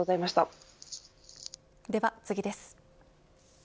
では次です。